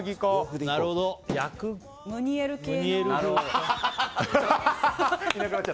ムニエル系の。